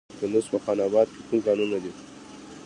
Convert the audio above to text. د کندز په خان اباد کې کوم کانونه دي؟